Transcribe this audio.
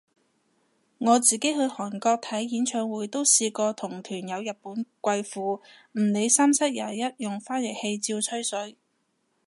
我自己去韓國睇演唱會都試過同團有日本貴婦，唔理三七廿一用翻譯器照吹水